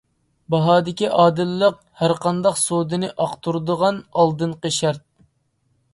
باھادىكى ئادىللىق ھەرقانداق سودىنى ئاقتۇرىدىغان ئالدىنقى شەرت.